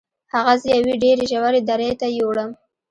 هغه زه یوې ډیرې ژورې درې ته یووړم.